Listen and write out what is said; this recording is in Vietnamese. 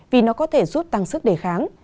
vì nó có thể giúp tăng sức đề kháng